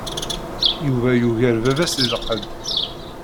Yuba yugar baba-s di lqedd.